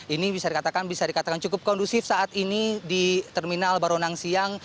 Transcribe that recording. ini bisa dikatakan bisa dikatakan cukup kondusif saat ini di terminal baronang siang